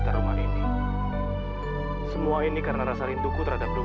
berani beraninya kamu melanggar janji kurang ajar